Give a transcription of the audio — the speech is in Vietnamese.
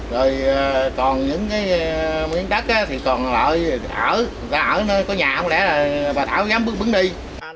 rồi còn những cái miếng đất thì còn ở có nhà không lẽ là bà thảo dám bước bước đi